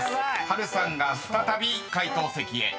波瑠さんが再び解答席へ］